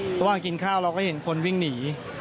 ระหว่างกินข้าวเราก็เห็นคนวิ่งหนี